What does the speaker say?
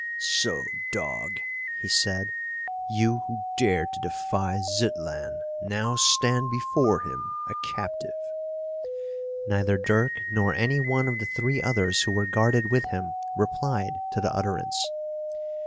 "So, dog," he said, "you who dared to defy Zitlan now stand before him a captive!" Neither Dirk nor any one of the three others who were guarded with him replied to the utterance.